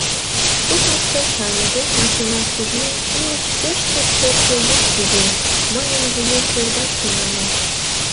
Суднышто чарныде машина чужлен, ӱлыч пеш чот шокшо юж кӱзен; мыйын вуем пӧрдаш тӱҥалын.